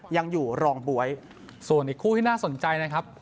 ยังอยู่รองบ๊วยส่วนอีกคู่ที่น่าสนใจนะครับ